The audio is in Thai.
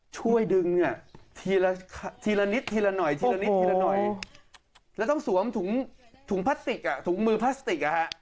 ช่วยดึงเนี่ยทีละนิดทีละหน่อยแล้วต้องสวมถุงพลาสติกถุงมือพลาสติกเออฮะ